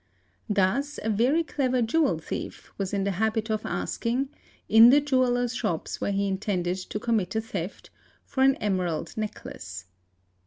Thus a very clever swel thief was in the habit of asking, in the jewellers' shops where he intended to commit a theft, for an emerald necklace.